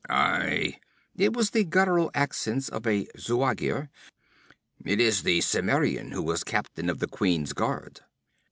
'Aye!' It was the guttural accents of a Zuagir. 'It is the Cimmerian who was captain of the queen's guard!'